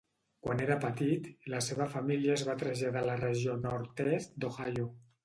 Quan era petit, la seva família es va traslladar a la regió nord-est d'Ohio.